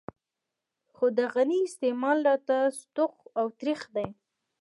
خو د غني د استعمال راته ستوغ او ترېخ دی.